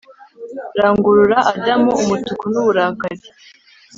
Rangurura Adamu umutuku nuburakari